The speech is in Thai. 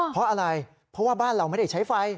เพราะอะไรเพราะว่าบ้านเราไม่ได้ใช้ไฟ